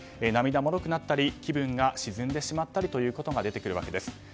涙もろくなったり気分が沈んでしまったりということが出てくるわけです。